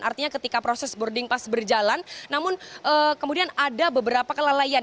artinya ketika proses boarding pass berjalan namun kemudian ada beberapa kelelayan